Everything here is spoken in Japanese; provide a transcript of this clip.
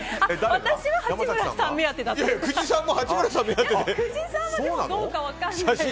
私は八村さん目当てでした。